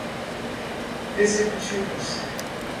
executivos